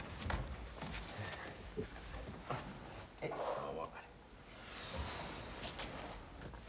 どうも。